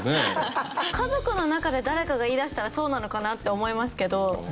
家族の中で誰かが言い出したらそうなのかなって思いますけど。